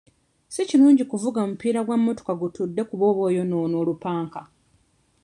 Si kirungi kuvuga mupiira gwa mmotoka gutudde kuba oba oyonoona olupanka.